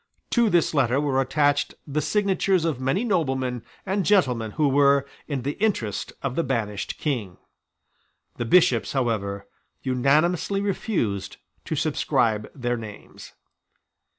To this letter were attached the signatures of many noblemen and gentlemen who were in the interest of the banished King. The Bishops however unanimously refused to subscribe their names.